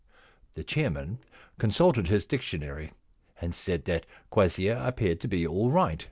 The chairman consulted his dictionary and said that quassia appeared to be all right.